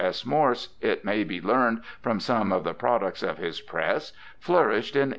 S. Morse, it may be learned from some of the products of his press, flourished in 1886.